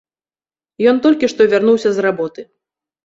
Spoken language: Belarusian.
Ён толькі што вярнуўся з работы.